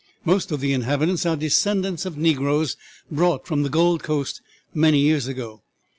Most of the inhabitants are descendants of negroes brought from the Gold Coast many years ago.